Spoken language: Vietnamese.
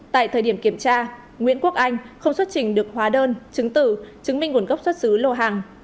tại thời điểm kiểm tra nguyễn quốc anh không xuất trình được hóa đơn chứng tử chứng minh nguồn gốc xuất xứ lô hàng